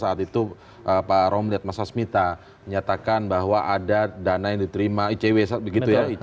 saat itu pak romliat masasmita menyatakan bahwa ada dana yang diterima icw begitu ya